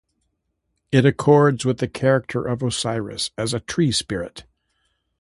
It accords with the character of Osiris as a tree-spirit.